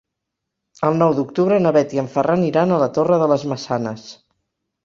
El nou d'octubre na Bet i en Ferran iran a la Torre de les Maçanes.